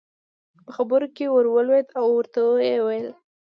په خبرو کې ور ولوېد او ورته ویې وویل.